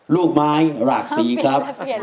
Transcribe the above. ลูกไม้ระหกศรีครับ